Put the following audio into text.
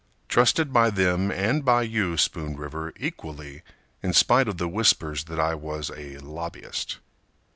Trusted by them and by you, Spoon River, equally In spite of the whispers that I was a lobbyist.